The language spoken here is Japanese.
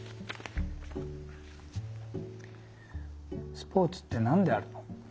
「スポーツってなんであるの？」